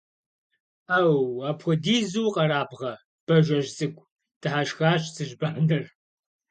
– Ӏэу! Апхуэдизу укъэрабгъэ, Бажэжь цӀыкӀу, – дыхьэшхащ Цыжьбанэр.